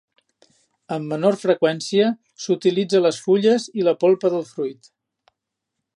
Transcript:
Amb menor freqüència s'utilitza les fulles i la polpa del fruit.